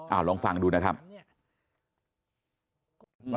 เอาลองฟังดูนะครับ